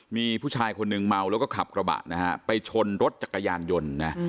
มีผู้ชายคนหนึ่งเมาแล้วก็ขับกระบะนะฮะไปชนรถจักรยานยนต์นะ